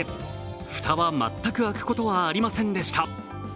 蓋は全く開くことはありませんでした。